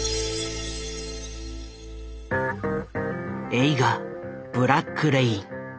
映画「ブラック・レイン」。